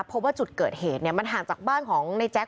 พบว่าจุดเกิดเหตุมันห่างจากบ้านของในแจ๊ก